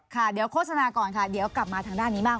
ค่ะเดี๋ยวโฆษณาก่อนค่ะเดี๋ยวกลับมาทางด้านนี้บ้าง